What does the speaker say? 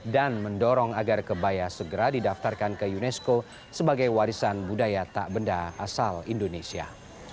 dan mendorong agar kebaya segera didaftarkan ke unesco sebagai warisan budaya tak benda asal indonesia